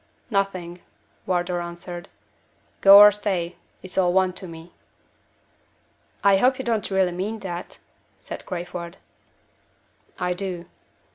"Nothing," Wardour answered. "Go or stay, it's all one to me." "I hope you don't really mean that?" said Crayford. "I do."